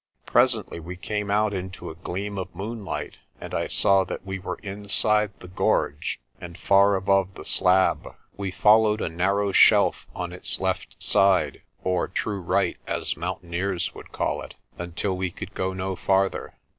Presently we came out into a gleam of moonlight and I saw that we were inside the gorge and far above the slab. We followed a narrow shelf on its left side (or "true right," as mountaineers would call it) until we could go no farther.